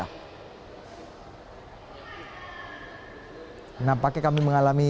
kenapa kami mengalami